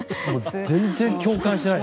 全然共感してない。